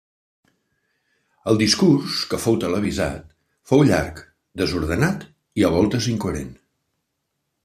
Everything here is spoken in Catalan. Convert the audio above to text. El discurs, que fou televisat, fou llarg, desordenat i a voltes incoherent.